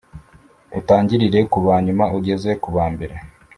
utangirire ku ba nyuma ugeze ku ba mbere